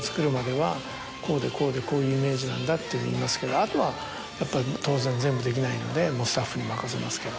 こうでこうでこういうイメージなんだっていうのを言いますけどあとはやっぱり当然全部できないのでもうスタッフに任せますけど。